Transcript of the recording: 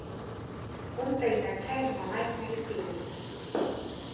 Кәынта инацәа Ермолаи инаиқәикит.